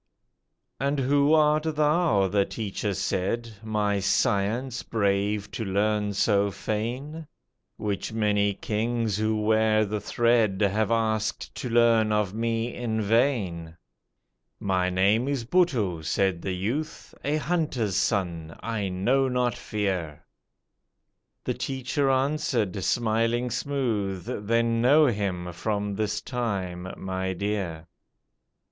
"And who art thou," the teacher said, "My science brave to learn so fain? Which many kings who wear the thread Have asked to learn of me in vain." "My name is Buttoo," said the youth, "A hunter's son, I know not Fear;" The teacher answered, smiling smooth, "Then know him from this time, my dear."